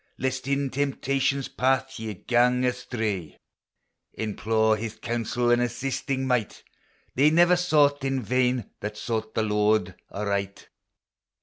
Lest in temptation's path ye gang astray, Implore his counsel and assisting might; They never sought in vain that sought the Lord aright